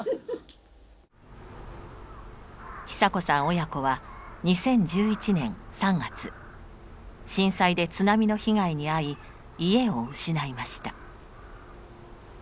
親子は２０１１年３月震災で津波の被害に遭い家を失いました。